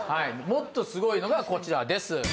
もっとすごいのがこちらです